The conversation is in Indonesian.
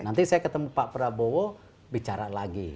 nanti saya ketemu pak prabowo bicara lagi